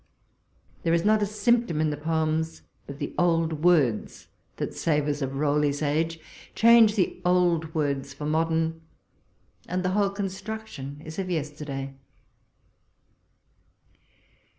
There is not a symptom in the poems, but the old words, that savours of Rowley's age — change the old words for modern, and the whole construction is of yesterday.